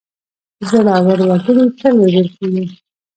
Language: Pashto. زړه ور وګړي تل وژل کېږي.